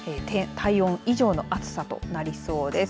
体温以上の暑さとなりそうです。